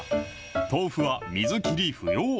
豆腐は水切り不要。